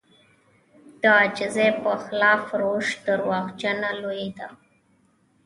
د عاجزي په خلاف روش دروغجنه لويي ده.